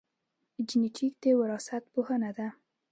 جینېټیک د وراثت پوهنه ده